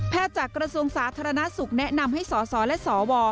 จากกระทรวงสาธารณสุขแนะนำให้สสและสว